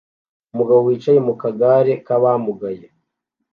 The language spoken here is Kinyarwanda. Umugabo wicaye mu kagare k'abamugaye